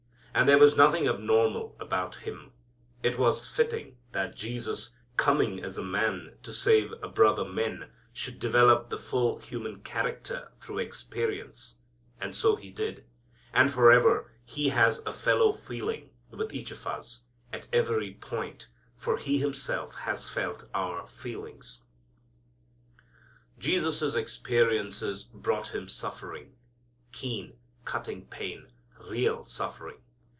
And there was nothing abnormal about Him. It was fitting that Jesus, coming as a man to save brother men, should develop the full human character through experience. And so He did. And forever He has a fellow feeling with each of us, at every point, for He Himself has felt our feelings. Jesus' experiences brought Him suffering; keen, cutting pain; real suffering.